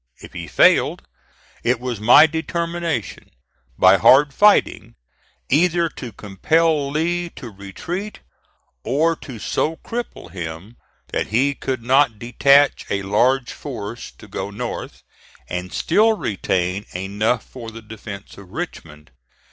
If he failed, it was my determination, by hard fighting, either to compel Lee to retreat, or to so cripple him that he could not detach a large force to go north, and still retain enough for the defence of Richmond.